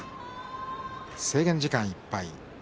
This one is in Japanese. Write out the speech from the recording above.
制限時間いっぱい。